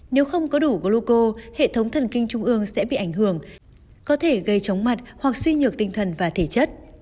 nếu không có đủ gluco hệ thống thần kinh trung ương sẽ bị ảnh hưởng có thể gây chóng mặt hoặc suy nhược tinh thần và thể chất